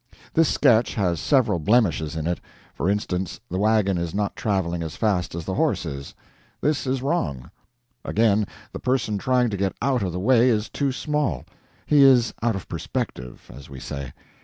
This sketch has several blemishes in it; for instance, the wagon is not traveling as fast as the horse is. This is wrong. Again, the person trying to get out of the way is too small; he is out of perspective, as we say.